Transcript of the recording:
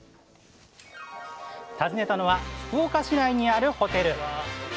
訪ねたのは福岡市内にあるホテル